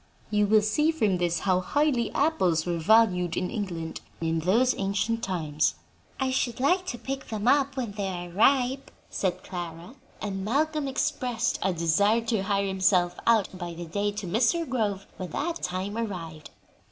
You will see from this how highly apples were valued in England in those ancient times." "I should like to pick them up when they are ripe," said Clara, and Malcolm expressed a desire to hire himself out by the day to Mr. Grove when that time arrived.